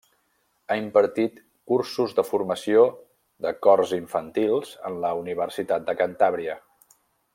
Ha impartit cursos de formació de cors infantils en la Universitat de Cantàbria.